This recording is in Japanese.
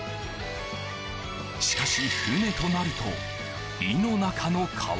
しかし船となると井の中の蛙。